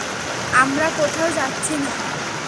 আমরা কোথাও যাচ্ছি না!